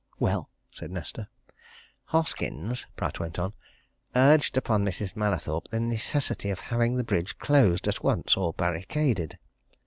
"Well?" said Nesta. "Hoskins," Pratt went on, "urged upon Mrs. Mallathorpe the necessity of having the bridge closed at once, or barricaded.